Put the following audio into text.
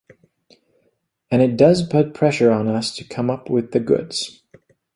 And it does put pressure on us to come up with the goods.